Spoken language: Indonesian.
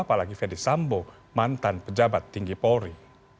apalagi ferdis sambo mantan pejabat tinggi polri